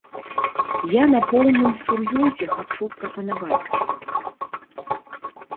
Я на поўным сур'ёзе хачу прапанаваць.